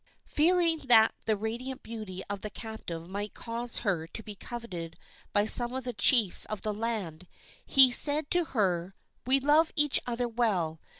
Fearing that the radiant beauty of his captive might cause her to be coveted by some of the chiefs of the land, he said to her: "We love each other well.